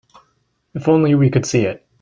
If only we could see it.